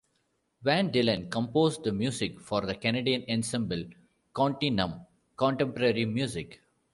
Van Dillen composed the music for the Canadian ensemble "Continuum Contemporary Music".